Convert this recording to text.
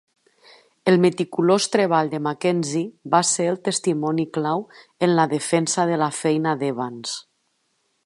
El meticulós treball de Mackenzie va ser el testimoni clau en la defensa de la feina d'Evans.